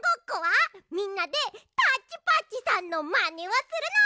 みんなでタッチパッチさんのまねをするの！